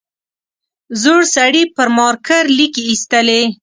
زوړ سړي پر مارکر ليکې ایستلې.